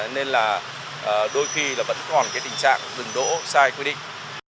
nên là đôi khi vẫn còn tình trạng dừng đỗ sai quy định